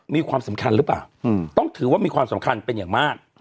มีความสำคัญหรือเปล่าต้องถือว่ามีความสำคัญเป็นอย่างมาก